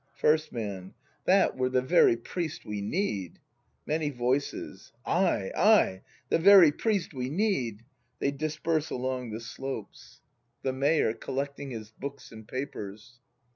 First Man. That were the very priest we need ! Many Voices. Ay, ay, the very priest we need! [They disperse along the slopes. 72 BRAND [act ii The Mayor. [Collecting his hooks and papers.